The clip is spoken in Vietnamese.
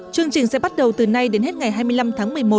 chương trình sẽ bắt đầu từ nay đến hết ngày hai mươi năm tháng một mươi một